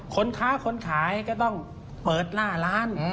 คนค้าคนขายก็ต้องเปิดหน้าร้าน